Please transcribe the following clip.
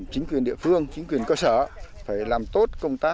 chính quyền địa phương chính quyền cơ sở phải làm tốt công tác